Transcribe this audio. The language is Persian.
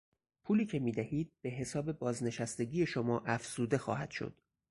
پولی که میدهید به حساب بازنشستگی شما افزوده خواهد شد.